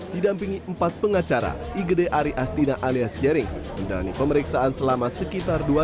didampingi empat pengacara igd ari astina alias jaringan dan pemeriksaan selama sekitar dua